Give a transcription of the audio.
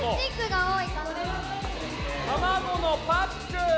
卵のパック！